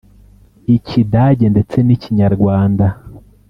Ikidage ndetse n’Ikinyarwanda